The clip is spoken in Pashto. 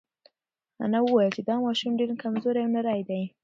انا وویل چې دا ماشوم ډېر کمزوری او نری دی.